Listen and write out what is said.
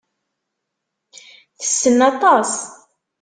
Tessen aṭas.